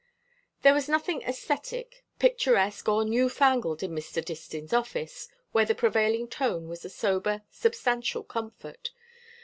There was nothing æsthetic, picturesque, or newfangled in Mr. Distin's office, where the prevailing tone was a sober, substantial comfort.